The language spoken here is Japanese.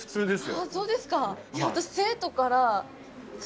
あそうですか。